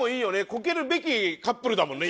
コケるべきカップルだもんね